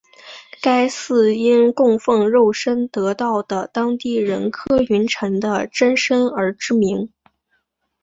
该寺因供奉肉身得道的当地人柯云尘的真身而知名。